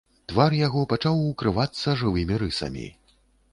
Твар яго пачаў укрывацца жывымі рысамі.